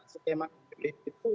skema pilih itu